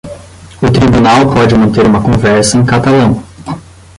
O tribunal pode manter uma conversa em catalão.